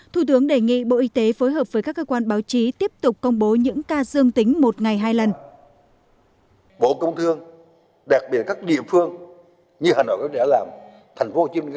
thủ tướng đề nghị bộ y tế phối hợp với các cơ quan báo chí tiếp tục công bố những ca dương tính một ngày hai lần